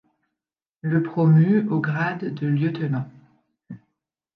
Le promu au grade de lieutenant.